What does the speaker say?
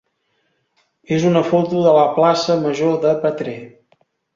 és una foto de la plaça major de Petrer.